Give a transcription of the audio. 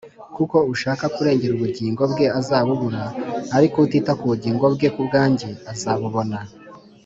kuko ushaka kurengera ubugingo bwe azabubura, ariko utita ku bugingo bwe ku bwanjye, azabubona.